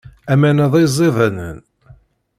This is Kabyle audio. Aman-a d iẓidanen.